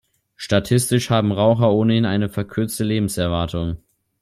Statistisch haben Raucher ohnehin eine verkürzte Lebenserwartung.